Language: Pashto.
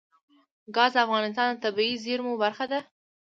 ګاز د افغانستان د طبیعي زیرمو برخه ده.